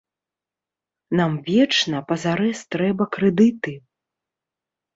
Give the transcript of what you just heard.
Нам вечна пазарэз трэба крэдыты.